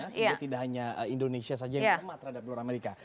sehingga tidak hanya indonesia saja yang cermat terhadap dolar amerika